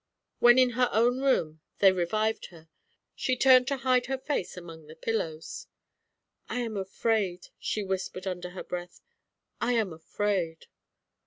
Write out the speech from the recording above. When in her own room they revived her, she turned to hide her face among the pillows. "I am afraid," she whispered under her breath. "I am afraid."